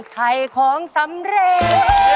ไถ่ของสำเร็จ